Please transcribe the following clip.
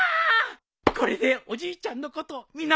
これでおじいちゃんのこと見直したかい？